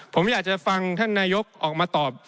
ผมอยากจะฟังท่านนายกรัฐบาลออสเตรเลีย